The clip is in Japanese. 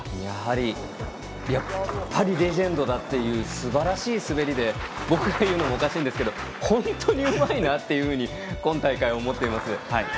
やはりレジェンドだというすばらしい滑りで僕が言うのもおかしいんですけど本当にうまいなと今大会、思っています。